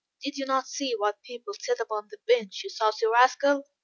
"Did you not see white people sit upon that bench, you saucy rascal?"